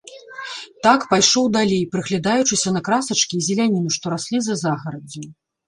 Так пайшоў далей, прыглядаючыся на красачкі і зеляніну, што раслі за загараддзю.